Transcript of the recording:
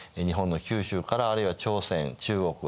日本の九州からあるいは朝鮮中国